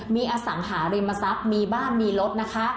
มีอสังหาริมทรัพย์มีบ้านมีรถนะคะ